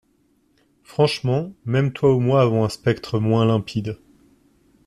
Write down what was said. Franchement, même toi ou moi avons un spectre moins limpide.